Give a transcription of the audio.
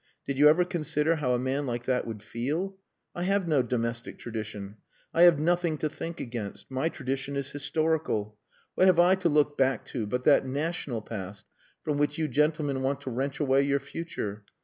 Did you ever consider how a man like that would feel? I have no domestic tradition. I have nothing to think against. My tradition is historical. What have I to look back to but that national past from which you gentlemen want to wrench away your future?